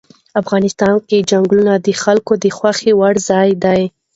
افغانستان کې چنګلونه د خلکو د خوښې وړ ځای دی.